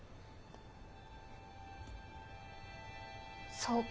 そうか。